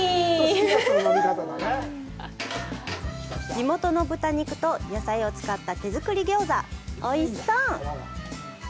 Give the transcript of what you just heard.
地元の豚肉と野菜を使った手作り餃子、おいしそう！